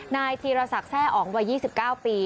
นายธีรศักดิ์แร่อ๋องวัย๒๙ปี